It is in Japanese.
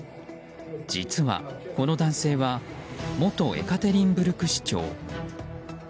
実は、この男性は元エカテリンブルク市長。